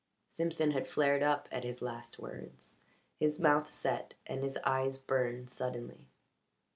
Simpson had flared up at his last words. His mouth set and his eyes burned suddenly.